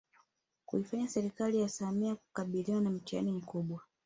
Kuifanya serikali ya Samia kukabiliwa na mtihani mkubwa